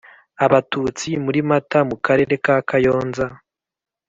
Abatutsi muri mata mu karere ka kayonza